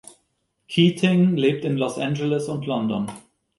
Keating lebt in Los Angeles und London.